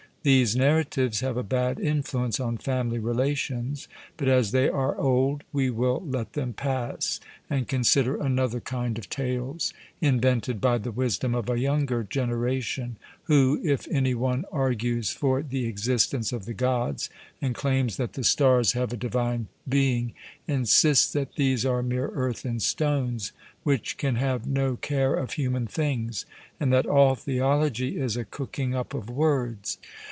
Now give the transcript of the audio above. These narratives have a bad influence on family relations; but as they are old we will let them pass, and consider another kind of tales, invented by the wisdom of a younger generation, who, if any one argues for the existence of the Gods and claims that the stars have a divine being, insist that these are mere earth and stones, which can have no care of human things, and that all theology is a cooking up of words.